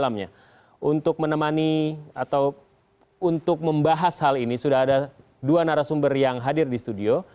untuk menemani atau untuk membahas hal ini sudah ada dua narasumber yang hadir di studio